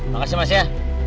makasih mas ya